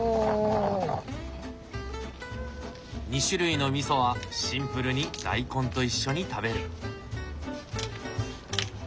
２種類の味噌はシンプルに大根と一緒に食べる。